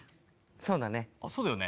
そうだよね。